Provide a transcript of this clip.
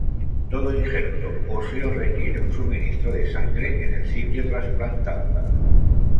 Todo Injerto óseo requiere un suministro de sangre en el sitio trasplantado.